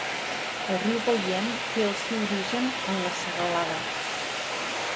El riu Baliem té el seu origen en la serralada.